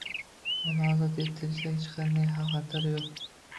Uni ozod etilishidan hech qanday xavf xatar yo’q.